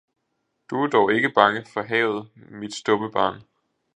Du er dog ikke bange for havet, mit stumme barn!